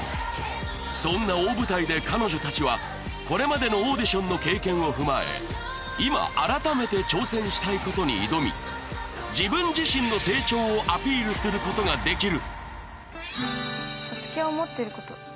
そんな大舞台で彼女たちはこれまでのオーディションの経験を踏まえ自分自身の成長をアピールすることができる